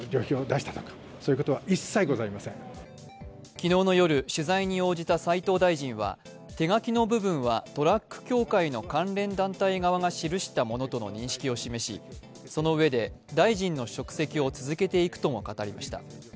昨日の夜、取材に応じた斉藤大臣は手書きの部分はトラック協会の関連団体側が記したものとの認識を示しそのうえで大臣の職責を続けていくとも語りました。